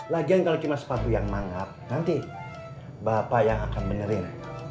lagian kalau cuma sepatu yang manggap nanti bapak yang akan benerin